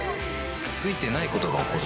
ついてないことが起こる